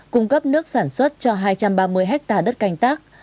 cung cấp nước sản xuất cho hai trăm ba mươi hectare đất canh tác